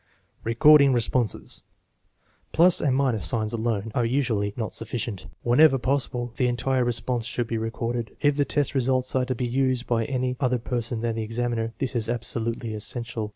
Recording responses. Plus and minus signs alone are not usually sufficient. Whenever possible the entire re sponse should be recorded. If the test results are to be used by any other person than the examiner, this is absolutely essential.